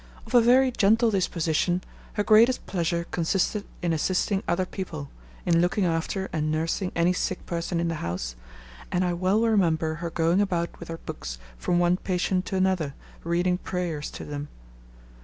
Of a very gentle disposition, her greatest pleasure consisted in assisting other people, in looking after and nursing any sick person in the house; and I well remember her going about with her books from one patient to another, reading prayers to them.